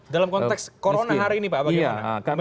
dalam konteks corona hari ini pak bagaimana